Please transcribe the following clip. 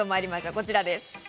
こちらです。